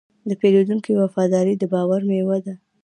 د پیرودونکي وفاداري د باور میوه ده.